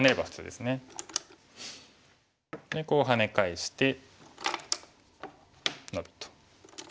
でこうハネ返してノビと。